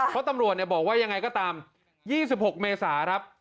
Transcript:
เพราะตำรวจบอกว่ายังไงก็ตาม๒๖เมษาครับ